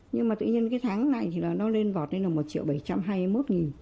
nhưng mà tuy nhiên cái tháng này thì là nó lên vọt lên là một triệu bảy trăm hai mươi một nghìn